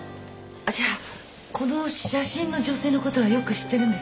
じゃあこの写真の女性のことはよく知ってるんですよね？